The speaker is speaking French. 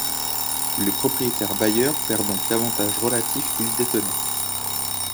Le propriétaire bailleur perd donc l’avantage relatif qu’il détenait.